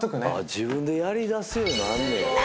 自分でやりだすようになんねや。